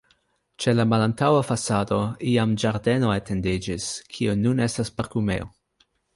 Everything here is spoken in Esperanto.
Ĉe la malantaŭa fasado iam ĝardeno etendiĝis, kiu nun estas parkumejo.